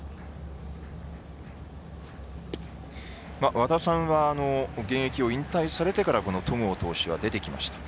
和田さんは現役を引退されてから戸郷投手が出てきました。